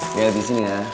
lihat disini ya